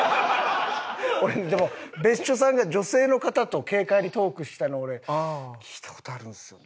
俺ねでも別所さんが女性の方と軽快にトークしたの俺聴いた事あるんですよね。